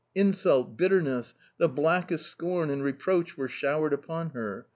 Insult, bitterness, the blackest scorn and reproach were showered upon her.